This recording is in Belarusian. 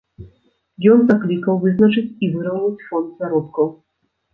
Ён заклікаў вызначыць і выраўняць фонд заробкаў.